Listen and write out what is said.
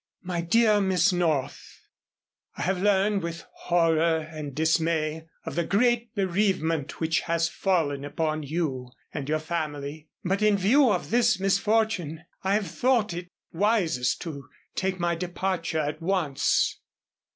"My dear Miss North: "I have learned with horror and dismay of the great bereavement which has fallen upon you and your family, but in view of this misfortune, I have thought it wisest to take my departure at once.